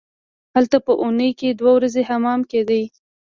هلته په اونۍ کې دوه ورځې حمام کیده.